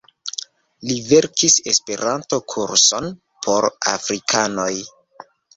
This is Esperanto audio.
Li verkis Esperanto-kurson por afrikanoj.